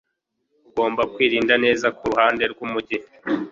Ugomba kwirinda neza kuruhande rwumujyi